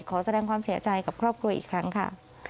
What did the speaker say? ขอแสดงความเสียใจกับครอบครัวอีกครั้งค่ะ